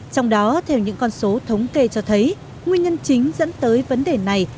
trong đó theo những con số thống kê cho thấy nguyên nhân chính dẫn tới vấn đề này